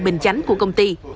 bình chánh của công ty